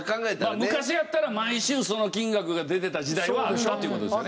まあ昔やったら毎週その金額が出てた時代はあったっていう事ですよね。